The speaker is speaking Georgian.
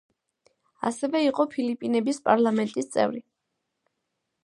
ასევე იყო ფილიპინების პარლამენტის წევრი.